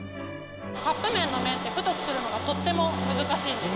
カップ麺の麺って、太くするのがとっても難しいんです。